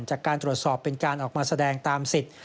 จากการตรวจสอบเป็นการออกมาแสดงตามสิทธิ์